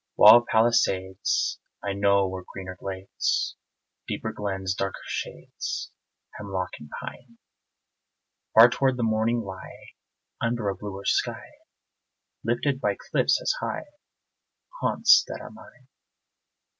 Wall of the Palisades, I know where greener glades, Deeper glens, darker shades, Hemlock and pine, Far toward the morning lie Under a bluer sky, Lifted by cliffs as high, Haunts that are mine.